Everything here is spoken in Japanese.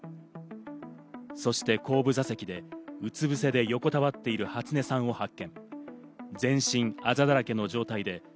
そして後部座席で、うつぶせで横たわっている初音さんを発見。